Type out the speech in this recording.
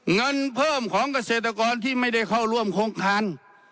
เงินเพิ่มของเกษตรกรที่ไม่ได้เข้าร่วมโครงการ